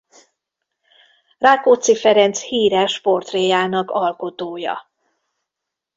Rákóczi Ferenc híres portréjának alkotója.